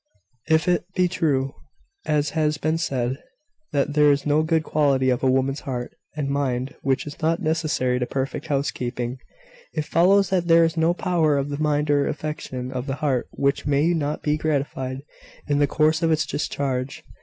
If it be true, as has been said, that there is no good quality of a woman's heart and mind which is not necessary to perfect housekeeping, it follows that there is no power of the mind or affection of the heart which may not be gratified in the course of its discharge.